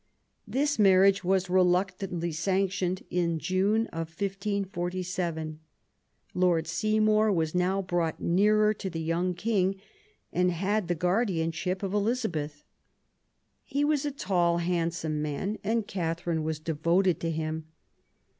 The marriage was reluctantly sanctioned in June, 1547. Lord Seymour was now brought nearer to the young King, and had the guardianship of Elizabeth. He was a tall, handsome man; and Catherine was devoted to him.